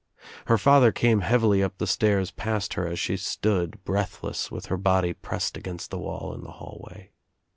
Her father came heavily up the stairs past her as she stood breathless with her body pressed against the wall in the hallway.